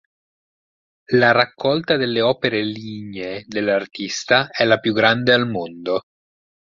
La raccolta delle opere lignee dell'artista è la più grande al mondo.